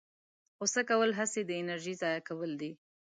غوسه کول هسې د انرژۍ ضایع کول دي.